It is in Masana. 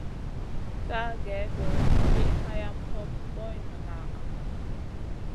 Sa gèh-goh tiʼi hayam hoɓ goy ŋaʼa.